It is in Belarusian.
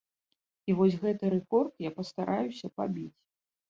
І вось гэты рэкорд я пастараюся пабіць.